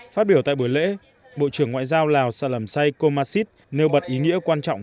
phát biểu tại buổi lễ bộ trưởng ngoại giao lào sạ lợm say khô mạ xít nêu bật ý nghĩa quan trọng